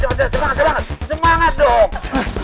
cepat cepat cepat semangat semangat dong